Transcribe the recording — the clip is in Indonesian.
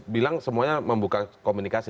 bilang semuanya membuka komunikasi